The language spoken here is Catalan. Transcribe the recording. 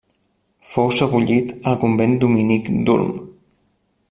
Fou sebollit al convent dominic d'Ulm.